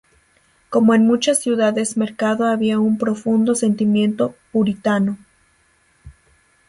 Como en muchas ciudades mercado había un profundo sentimiento puritano.